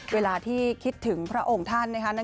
เวลาที่คิดถึงพระองค์ท่าน